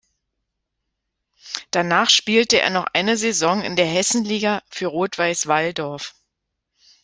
Danach spielte er noch eine Saison in der Hessenliga für Rot-Weiß Walldorf.